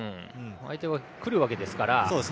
相手は、来るわけですから。